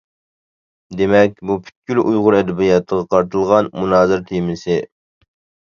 دېمەك، بۇ پۈتكۈل ئۇيغۇر ئەدەبىياتىغا قارىتىلغان مۇنازىرە تېمىسى.